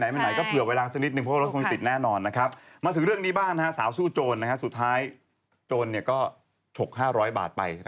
มาถึงเรื่องนี้บ้างสาวสู้จวนสุดท้ายจวนฉก๕๐๐บาทไป